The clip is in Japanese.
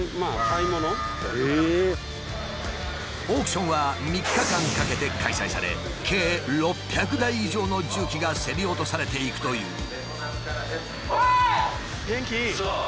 オークションは３日間かけて開催され計６００台以上の重機が競り落とされていくという。